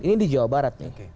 ini di jawa barat